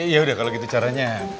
yaudah kalau gitu caranya